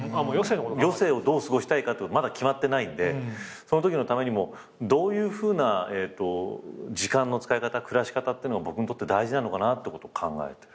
余生をどう過ごしたいかまだ決まってないんでそのときのためにもどういうふうな時間の使い方暮らし方ってのが僕にとって大事なのかなってこと考えてる。